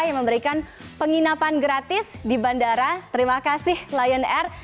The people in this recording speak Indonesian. yang memberikan penginapan gratis di bandara terima kasih lion air